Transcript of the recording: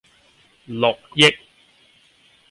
六億